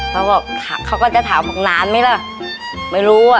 พอบอกค่ะเขาก็จะถามของน้านไม่ได้ไม่รู้อ่ะ